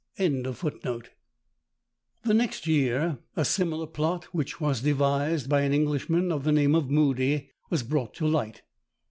] The next year a similar plot, which was devised by an Englishman of the name of Moody, was brought to light.